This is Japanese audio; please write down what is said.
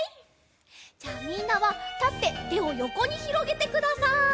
じゃあみんなはたっててをよこにひろげてください！